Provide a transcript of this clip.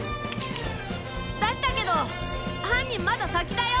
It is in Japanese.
出したけど犯人まだ先だよ？